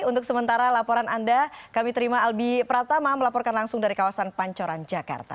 untuk sementara laporan anda kami terima albi pratama melaporkan langsung dari kawasan pancoran jakarta